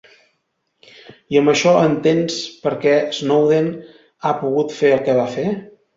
I amb això entens per què Snowden ha pogut fer el que va fer?